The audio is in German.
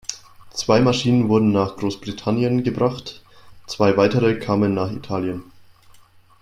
Zwei Maschinen wurden nach Großbritannien gebracht; zwei weitere kamen nach Italien.